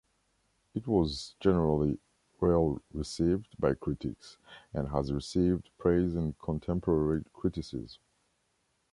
It was generally well received by critics, and has received praise in contemporary criticism.